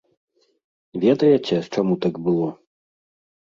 Ведаеце, чаму так было?